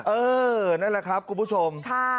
เออนั่นแหละครับคุณผู้ชม